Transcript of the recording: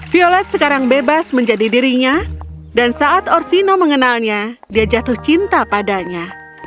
violet sekarang bebas menjadi dirinya dan saat orsino mengenalnya dia jatuh cinta padanya